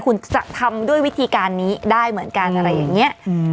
คุณจะทำด้วยวิธีการนี้ได้เหมือนกันอะไรอย่างนี้